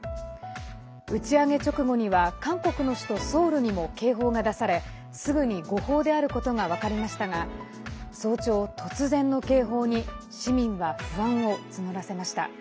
打ち上げ直後には韓国の首都ソウルにも警報が出されすぐに誤報であることが分かりましたが早朝、突然の警報に市民は不安を募らせました。